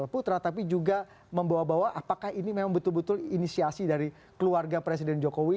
putra tapi juga membawa bawa apakah ini memang betul betul inisiasi dari keluarga presiden jokowi